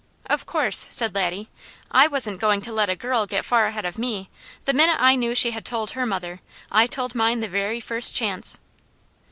"Of course!" said Laddie. "I wasn't going to let a girl get far ahead of me. The minute I knew she had told her mother, I told mine the very first chance."